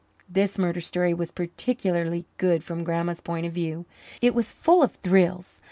This murder story was particularly good from Grandma's point of view; it was full of "thrills."